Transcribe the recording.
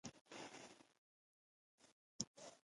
د فورمول په واسطه هم د سرک ضخامت پیدا کیږي